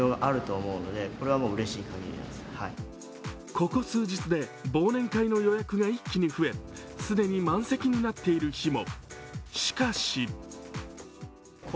ここ数日で忘年会の予約が一気に増え既に満席になっている日も。